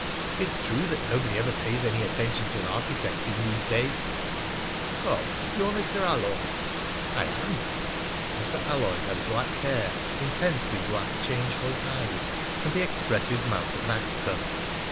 It's true that nobody ever pays any attention to an architect in these days." "Oh! You're Mr. Alloyd?" "I am." Mr. Alloyd had black hair, intensely black, changeful eyes, and the expressive mouth of an actor.